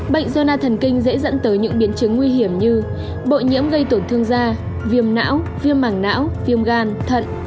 bệnh zona thần kinh dễ dẫn tới những biến chứng nguy hiểm như bộ nhiễm gây tổn thương da viêm não viêm màng não viêm gan thận